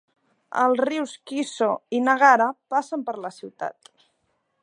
Els rius Kiso i Nagara passen per la ciutat.